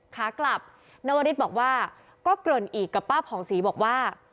ขากลับนวริสบอกว่าก็เกริ่นอีกกับป้าผ่องศรีบอกว่า